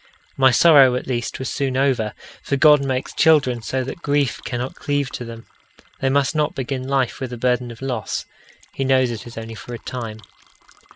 My sorrow at least was soon over, for God makes children so that grief cannot cleave to them. They must not begin life with a burden of loss. He knows it is only for a time.